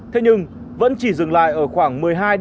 thế nhưng vẫn chỉ dừng lại ở khoảng một mươi hai một mươi năm